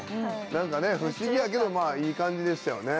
何か不思議やけどいい感じでしたよね。